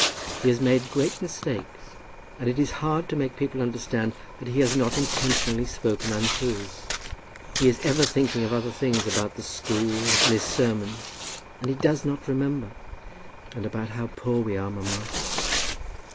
He has made great mistakes, and it is hard to make people understand that he has not intentionally spoken untruths. He is ever thinking of other things, about the school, and his sermons, and he does not remember." "And about how poor we are, mamma."